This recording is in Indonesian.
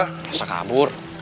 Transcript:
nggak usah kabur